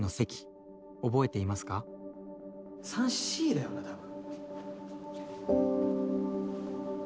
３Ｃだよな多分。